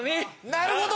なるほど！